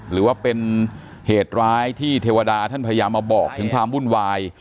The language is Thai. หรือว่าเป็นเหตุร้ายที่เทวดาท่านพยายามมาบอกถึงความวุ่นวาย